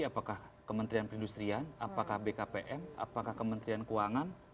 apakah kementerian perindustrian apakah bkpm apakah kementerian keuangan